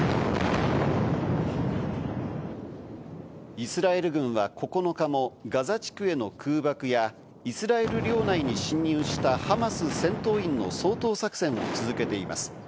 イスラエル軍は９日もガザ地区への空爆やイスラエル領内に侵入したハマス戦闘員の掃討作戦を続けています。